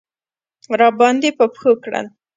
راباندې په پښو کړل.